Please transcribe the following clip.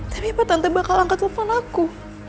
tapi pak tante bakal angkat telepon aku